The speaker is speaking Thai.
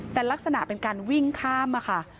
แต่ลักษณะเป็นการวิ่งข้ามอะค่ะ